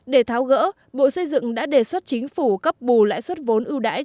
để tháo gỡ bộ xây dựng đã đề xuất chính phủ cấp bù lãi suất vốn ưu đãi